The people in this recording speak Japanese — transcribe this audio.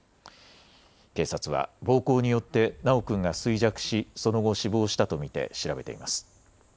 警察は暴行によって修君が衰弱しその後、死亡したと見て調べています。